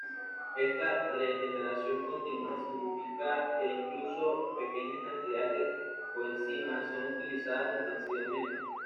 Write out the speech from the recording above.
Esta regeneración continua significa que incluso pequeñas cantidades de coenzimas son utilizadas intensivamente.